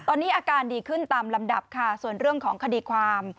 ตอนนี้อาการดีขึ้นตามลำดับค่ะส่วนเรื่องของคดีความ